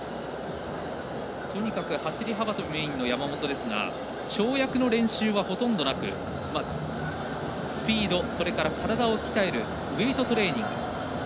とにかく走り幅跳びメインの山本ですが跳躍の練習はほとんどなくスピード、それから体を鍛えるウエートトレーニング。